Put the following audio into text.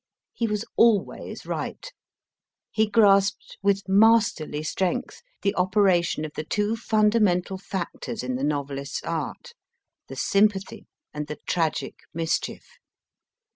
He was always right. He grasped with masterly strength the operation of the two fundamental factors in the novelist s art the sympathy and the tragic mischief.